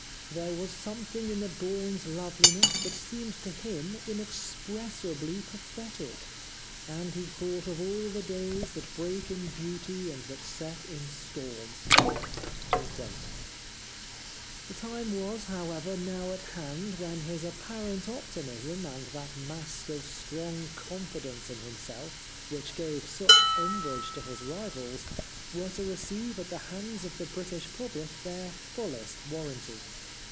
There was something in the dawn's loveliness that seemed to him inexpressibly pathetic, and he thought of all the days that break in beauty and that set in storm." The time was, however, now at hand when his apparent optimism and that mask of strong confidence in himself which gave such umbrage to his rivals were to receive at the hands of the British public their fullest warranty.